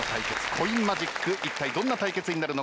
コインマジックいったいどんな対決になるのか？